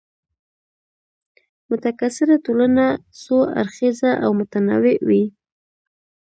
متکثره ټولنه څو اړخیزه او متنوع وي.